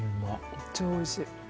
めっちゃおいしい。